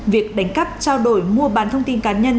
việc đánh cắp trao đổi mua bán thông tin cá nhân